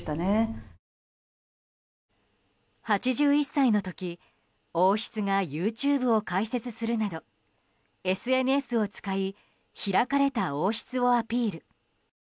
８１歳の時、王室がＹｏｕＴｕｂｅを開設するなどＳＮＳを使い開かれた王室をアピール。